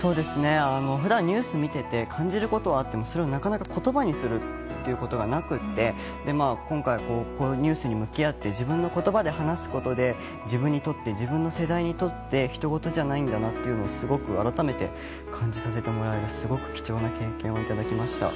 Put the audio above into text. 普段ニュースを見ていて感じることはあってもそれをなかなか言葉にすることがなくて今回、ニュースに向き合って自分の言葉で話すことで自分にとって自分の世代にとってひとごとじゃないんだなとすごく改めて感じさせてもらえるすごく貴重な経験をいただきました。